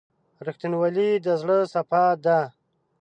• رښتینولي د زړه صفا ده.